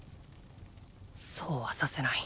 そうはさせない。